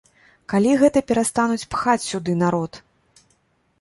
Калі гэта перастануць пхаць сюды народ?!